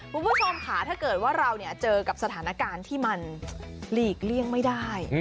คุณผู้ชมค่ะถ้าเกิดว่าเราเจอกับสถานการณ์ที่มันหลีกเลี่ยงไม่ได้